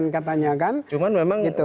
katanya kan cuma memang